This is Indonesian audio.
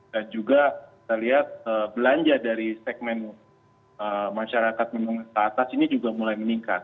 dan juga kita lihat belanja dari segmen masyarakat menengah atas ini juga mulai meningkat